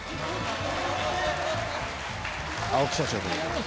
青木社長でございます。